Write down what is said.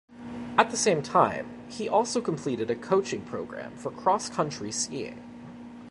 At the same time, he also completed a coaching program for cross-country skiing.